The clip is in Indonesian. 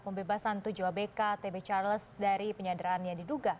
pembebasan tujuh abk tb charles dari penyanderaan yang diduga